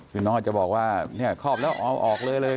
คือน้องอาจจะบอกว่าเนี่ยครอบแล้วเอาออกเลยเลย